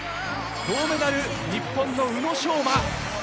銅メダル、日本の宇野昌磨。